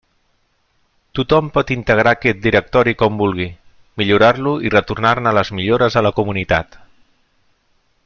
Tothom pot integrar aquest directori com vulgui, millorar-lo, i retornar-ne les millores a la comunitat.